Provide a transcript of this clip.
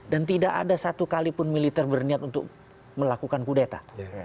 dan tidak ada satu kalipun militer berniat untuk melakukan kudeta